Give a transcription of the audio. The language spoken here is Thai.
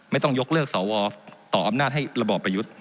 ไม่ต้องยกเลิกสวต่ออำนาจให้ระบอบประยุทธ์